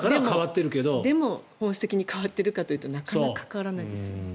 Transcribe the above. でも、本質的に変わっているかというとなかなか変わらないですよね。